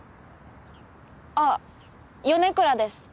あっ米倉です。